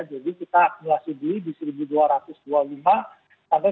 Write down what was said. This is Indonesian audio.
jadi kita melaksanakan di satu dua ratus dua puluh lima sampai satu dua ratus dua puluh